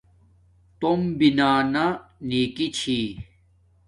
توم بنانا نیکی چھی